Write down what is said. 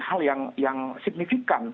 hal yang signifikan